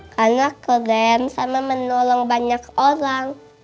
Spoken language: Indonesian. karena keren sama menolong banyak orang